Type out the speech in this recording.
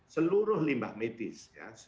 seluruh limbah medis